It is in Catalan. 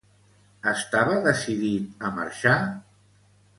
Estava decidit a marxar?